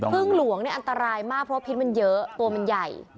พึ่งหลวงเนี่ยอันตรายมากเพราะพิษมันเยอะตัวมันใหญ่